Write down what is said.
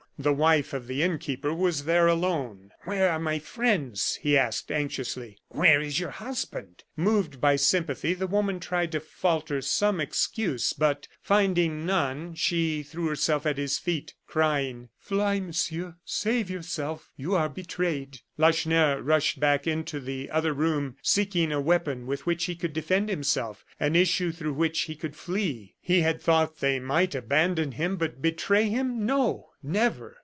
The wife of the innkeeper was there alone. "Where are my friends?" he asked, anxiously. "Where is your husband?" Moved by sympathy, the woman tried to falter some excuse, but finding none, she threw herself at his feet, crying: "Fly, Monsieur, save yourself you are betrayed!" Lacheneur rushed back into the other room, seeking a weapon with which he could defend himself, an issue through which he could flee! He had thought that they might abandon him, but betray him no, never!